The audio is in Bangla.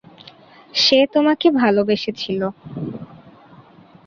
সে তোমাকে ভালোবেসেছিল।